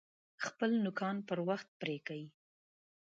خپل نوکان پر وخت پرې کئ!